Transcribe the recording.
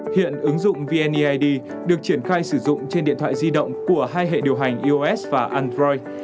hiện ứng dụng vneid được triển khai sử dụng trên điện thoại di động của hai hệ điều hành ios và android